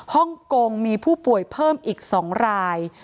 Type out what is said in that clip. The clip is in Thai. ฮ่องกงมีผู้ป่วยเพิ่มอีก๒ราย